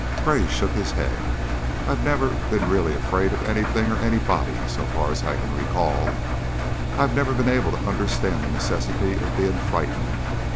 Gray shook his head. "I've never been really afraid of anything or anybody, so far as I recall. I've never been able to understand the necessity of being frightened.